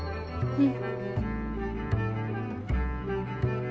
うん。